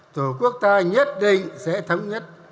tổ quốc ta nhất định sẽ thống nhất